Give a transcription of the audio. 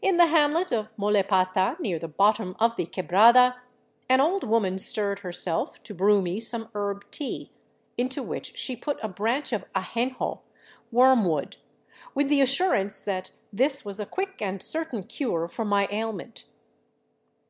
In the hamlet of Mollepata, near the bottom of the quebrada, an old woman stirred herself to brew me some herb tea, into which she put 285 VAGABONDING DOWN THE ANDES a branch of a j en jo (wormwood) with the assurance that this was a quick and certain cure for my ailment.